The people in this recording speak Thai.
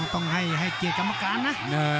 ต้องให้เกียรติกรรมการนะ